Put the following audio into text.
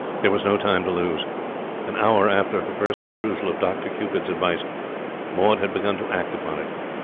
There was no time to lose. An hour after her first perusal of Dr Cupid's advice, Maud had begun to act upon it.